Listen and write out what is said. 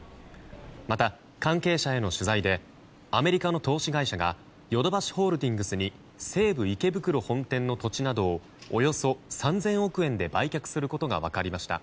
また関係者への取材でアメリカの投資会社がヨドバシホールディングスに西武池袋本店の土地などをおよそ３０００億円で売却することが分かりました。